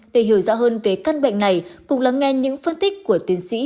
để hiểu rõ hơn về căn bệnh này cùng lắng nghe những phân tích của tiến sĩ